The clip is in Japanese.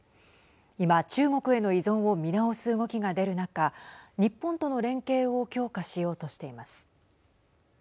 今、中国への依存を見直す動きが出る中日本との連携を強化しようとしています。